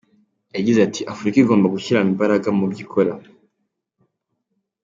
Yagize ati : ”Afurika igomba gushyira imbaraga mubyo ikora”.